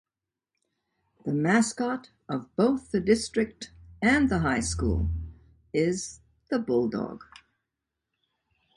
The mascot of both the district and the high school is the "Bulldog".